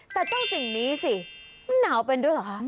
แต่ใต้สิ่งนี้น่าจะเป็นหนาวได้รึว่า